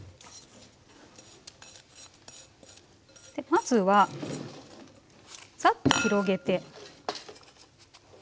でまずはサッと広げて。